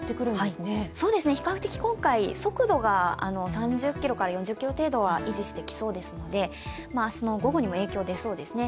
比較的今回、速度が３０キロから４０キロ程度、維持してきそうですので、明日の午後にも影響が出そうですね。